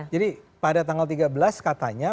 jadi pada tanggal tiga belas katanya